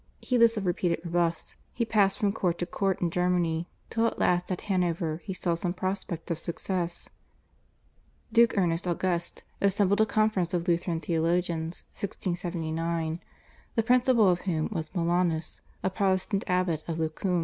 Heedless of repeated rebuffs, he passed from court to court in Germany till at last at Hanover he saw some prospect of success. Duke Ernest August assembled a conference of Lutheran theologians (1679), the principal of whom was Molanus, a Protestant abbot of Loccum.